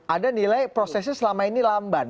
ada nilai prosesnya selama ini lamban